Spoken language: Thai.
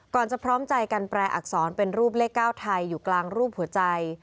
จะพร้อมใจกันแปลอักษรเป็นรูปเลข๙ไทยอยู่กลางรูปหัวใจ